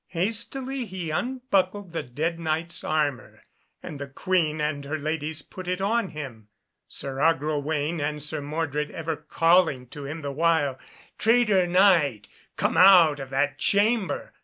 Hastily he unbuckled the dead Knight's armour, and the Queen and her ladies put it on him, Sir Agrawaine and Sir Mordred ever calling to him the while, "Traitor Knight, come out of that chamber!"